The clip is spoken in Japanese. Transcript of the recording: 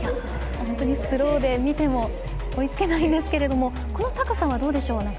本当にスローで見ても追いつけないですけれどもこの高さはどうでしょう。